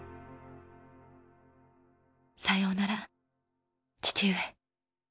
さようなら父上。